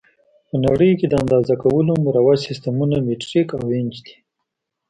په نړۍ کې د اندازه کولو مروج سیسټمونه مټریک او ایچ دي.